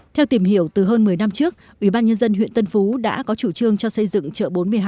theo tìm hiểu từ hơn một mươi năm trước ủy ban nhân dân huyện tân phú đã có chủ trương cho xây dựng chợ bốn mươi hai